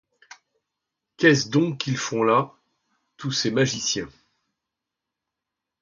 Qu’est-ce donc qu’ils font là, . tous ces magiciens